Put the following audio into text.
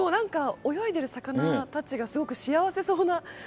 泳いでる魚たちがすごい幸せそうな。